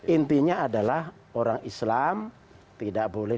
intinya adalah orang islam tidak boleh